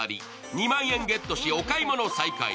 ２万円ゲットしお買い物再開。